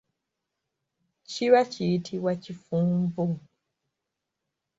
Kiba kiyitibwa kifunvu.